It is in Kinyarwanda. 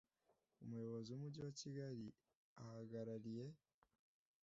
Umuyobozi w Umujyi wa Kigali ahagarariye